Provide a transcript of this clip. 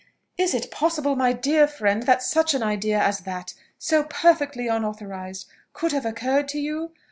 Is it possible, my dear friend, that such an idea as that, so perfectly unauthorized, could have occurred to you?